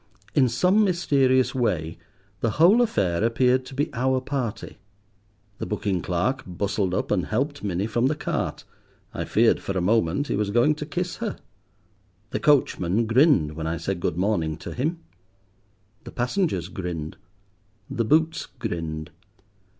In some mysterious way the whole affair appeared to be our party. The booking clerk bustled up and helped Minnie from the cart. I feared, for a moment, he was going to kiss her. The coachman grinned when I said good morning to him. The passengers grinned, the boots grinned.